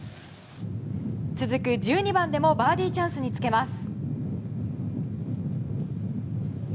続く１２番でもバーディーチャンスにつけます。